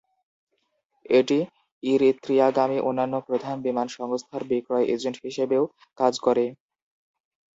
এটি ইরিত্রিয়াগামী অন্যান্য প্রধান বিমান সংস্থার বিক্রয় এজেন্ট হিসেবেও কাজ করে।